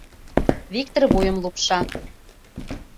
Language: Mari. — Виктыр вуйым лупша.